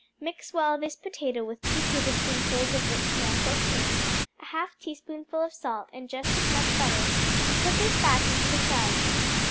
Mix well this potato with two tablespoonfuls of rich milk or cream, a half teaspoonful of salt and just as much butter, and put this back into the shells.